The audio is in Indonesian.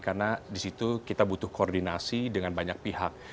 karena di situ kita butuh koordinasi dengan banyak pihak